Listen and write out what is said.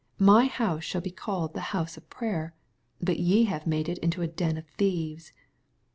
My honse shall be called thehouse of prayer ; but ye have made it a den of thieves.